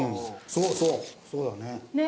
そうそうそうだね。